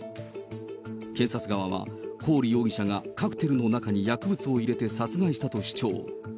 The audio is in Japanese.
検察側は、コーリ容疑者がカクテルの中に薬物を入れて殺害したと主張。